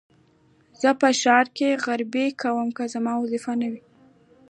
زه په ښار کې غريبي کوم که زما وظيفه نه وى.